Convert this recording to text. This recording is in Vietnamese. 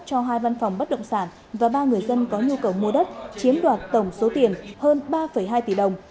cho hai văn phòng bất động sản và ba người dân có nhu cầu mua đất chiếm đoạt tổng số tiền hơn ba hai tỷ đồng